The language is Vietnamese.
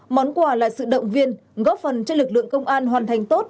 món quà là sự động viên góp phần cho lực lượng công an hoàn thành tốt